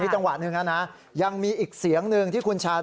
ทำเป็นยังไงอีกก้าวเดียวก็ถึงประเทศชาติ